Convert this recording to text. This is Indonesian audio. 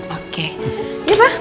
oke iya pak